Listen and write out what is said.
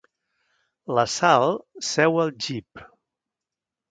La Sal seu al jeep.